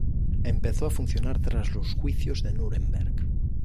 Empezó a funcionar tras los juicios de Núremberg.